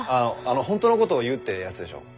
「本当のこと言う」ってやつでしょ？